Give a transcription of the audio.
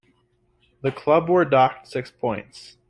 The club were docked six points.